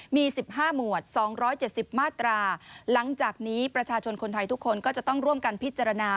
มี๑๕หมวด๒๗๐มาตราหลังจากนี้ประชาชนคนไทยทุกคนก็จะต้องร่วมกันพิจารณา